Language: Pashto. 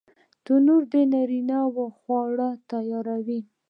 تنور د نارینه وو خواړه تیاروي